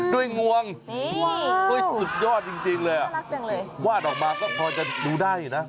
ด้วยงวงสุดยอดจริงเลยอ่ะวาดออกมาก็พอจะดูได้อยู่นะ